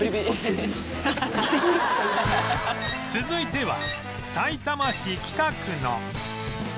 続いてはさいたま市北区の